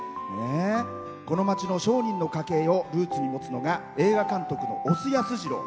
この町の商人の家系をルーツに持つのが映画監督の小津安二郎。